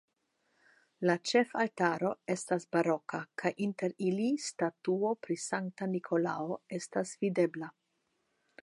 La ĉefaltaro estas baroka kaj inter ili statuo pri Sankta Nikolao estas videbla.